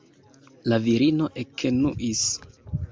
La virino ekenuis.